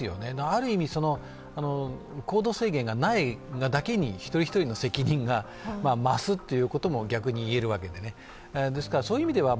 ある意味、行動制限がないだけに一人一人の責任が増すということも逆に言えるわけでね。